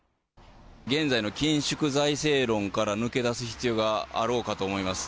現在の緊縮財政論から抜け出す必要があろうかと思います。